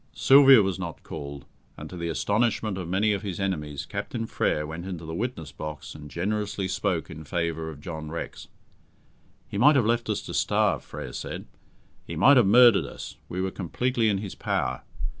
Sylvia was not called, and, to the astonishment of many of his enemies, Captain Frere went into the witness box and generously spoke in favour of John Rex. "He might have left us to starve," Frere said; "he might have murdered us; we were completely in his power.